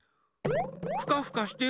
ふかふかしてる？